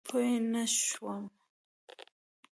پوی نه شوم.